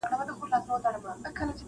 ایله پوه د خپل وزیر په مُدعا سو-